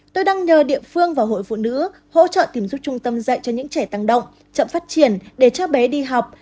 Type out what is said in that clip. tôi đang nhờ địa phương và hội phụ nữ hỗ trợ tìm giúp trung tâm dạy cho những trẻ tăng động chậm phát triển để cho bé đi học